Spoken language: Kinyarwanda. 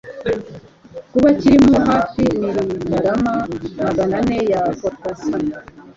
kiba kirimo hafi mirigarama Magana ane ya potassium.